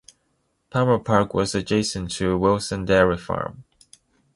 Palmer Park was adjacent to Wilson Dairy Farm.